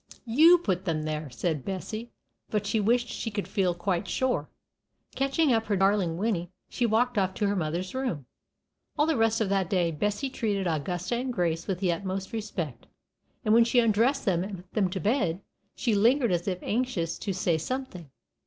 "You put them there," said Bessie; but she wished she could feel quite sure. Catching up her darling Winnie, she walked off to her mother's room. All the rest of that day Bessie treated Augusta and Grace with the utmost respect; and when she had undressed them and put them to bed, she lingered as if anxious to say something.